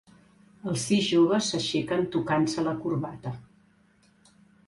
Els sis joves s'aixequen tocant-se la corbata.